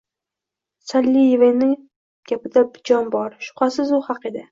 Sallivenning gapida jon bor, shubhasiz, u haq edi.